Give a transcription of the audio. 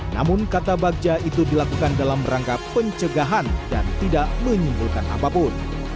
namun kata bagja itu dilakukan dalam rangka pencegahan dan tidak menyimpulkan apapun